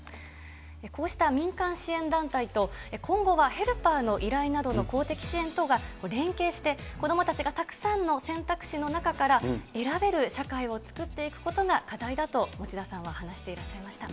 こうした民間支援団体と、今後はヘルパーの依頼などの公的支援などが連携して、子どもたちがたくさんの選択肢の中から選べる社会を作っていくことが課題だと持田さんは話していらっしゃいました。